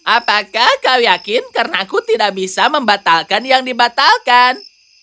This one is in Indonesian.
apakah kau yakin karena aku tidak bisa membatalkan yang dibatalkan